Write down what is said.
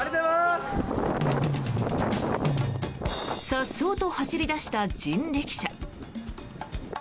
さっそうと走り出した人力車。